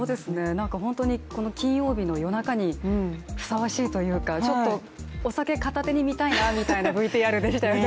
なんか金曜日の夜中にふさわしいというかちょっとお酒片手に見たいなみたいなＶＴＲでしたよね。